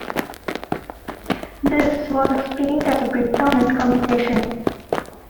This was explained as a breakdown in communication.